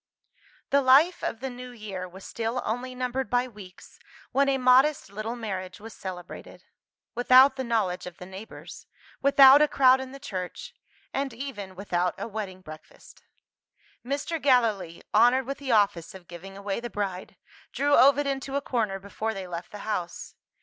The life of the New Year was still only numbered by weeks, when a modest little marriage was celebrated without the knowledge of the neighbours, without a crowd in the church, and even without a wedding breakfast. Mr. Gallilee (honoured with the office of giving away the bride) drew Ovid into a corner before they left the house.